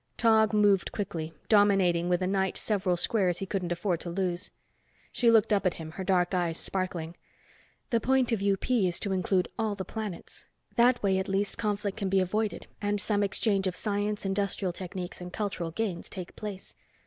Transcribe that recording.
Tog moved quickly, dominating with a knight several squares he couldn't afford to lose. She looked up at him, her dark eyes sparking. "The point of UP is to include all the planets. That way at least conflict can be avoided and some exchange of science, industrial techniques and cultural gains take place.